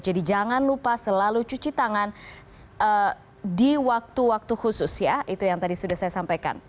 jadi jangan lupa selalu cuci tangan di waktu waktu khusus ya itu yang tadi sudah saya sampaikan